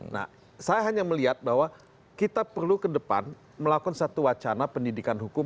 nah saya hanya melihat bahwa kita perlu ke depan melakukan satu wacana pendidikan hukum